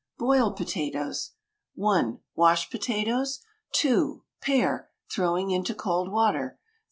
BOILED POTATOES. 1. Wash potatoes. 2. Pare, throwing into cold water.